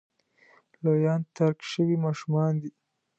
لویان ترک شوي ماشومان دي.